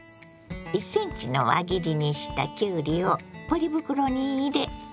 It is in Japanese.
１ｃｍの輪切りにしたきゅうりをポリ袋に入れ